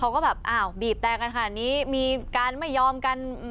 เขาก็แบบอ้าวบีบแต่กันขนาดนี้มีการไม่ยอมกัน